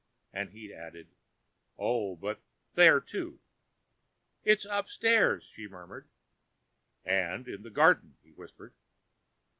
And he added, "Oh, but here too!" "It's upstairs," she murmured. "And in the garden," he whispered.